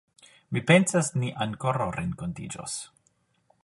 Mi pensas, ni ankoraŭ renkontiĝos.